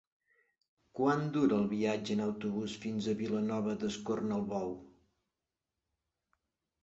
Quant dura el viatge en autobús fins a Vilanova d'Escornalbou?